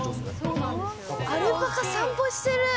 アルパカ散歩してる。